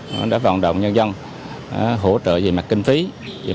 nó đã vận động nhân dân hỗ trợ về mặt kinh phí